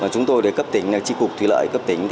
chúng tôi để cấp tỉnh tri cục thủy lợi cấp tỉnh